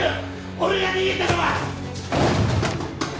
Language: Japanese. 俺が逃げたのは。